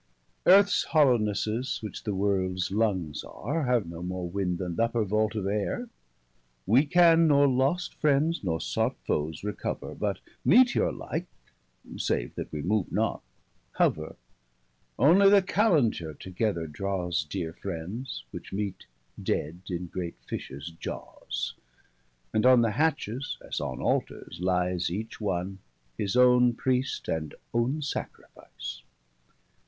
Earths hollownesses, which the worlds lungs are, Have no more winde then the upper valt of aire. 20 We can nor lost friends, nor sought foes recover, But meteorlike, save that wee move not, hover. Onely the Calenture together drawes Deare friends, which meet dead in great fishes jawes: And on the hatches as on Altars lyes 25 Each one, his owne Priest, and owne Sacrifice.